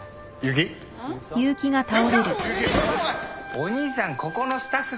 お兄さんここのスタッフさん？